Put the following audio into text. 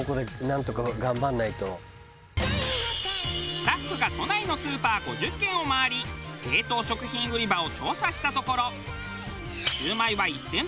スタッフが都内のスーパー５０軒を回り冷凍食品売り場を調査したところ。